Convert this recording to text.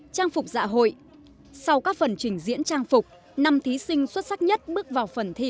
trang phục dạ hội sau các phần trình diễn trang phục năm thí sinh xuất sắc nhất bước vào phần thi